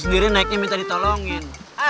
sendirian naiknya minta ditolongin